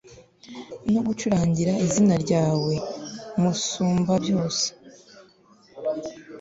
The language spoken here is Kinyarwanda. no gucurangira izina ryawe, musumbabyose